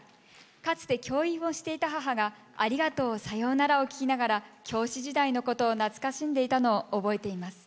かつて教員をしていた母が「ありがとうさようなら」を聴きながら教師時代のことを懐かしんでいたのを覚えています。